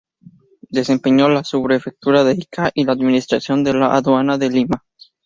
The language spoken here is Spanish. Desempeñó la subprefectura de Ica y la administración de la aduana de Lima.